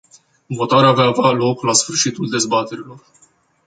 Votarea va avea loc la sfârșitul dezbaterilor.